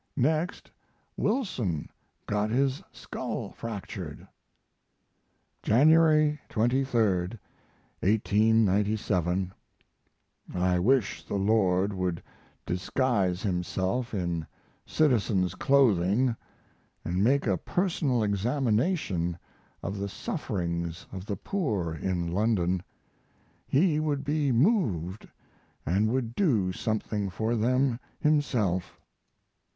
Next Wilson got his skull fractured. January 23, 1897. I wish the Lord would disguise Himself in citizen's clothing & make a personal examination of the sufferings of the poor in London. He would be moved & would do something for them Himself.